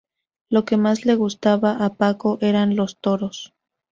Lo que más le gustaba a Paco eran los toros.